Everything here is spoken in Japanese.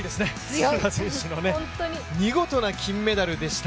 角田選手の見事な金メダルでした。